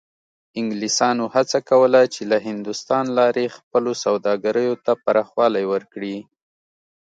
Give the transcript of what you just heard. انګلیسانو هڅه کوله چې له هندوستان لارې خپلو سوداګریو ته پراخوالی ورکړي.